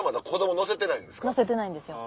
乗せてないんですよ。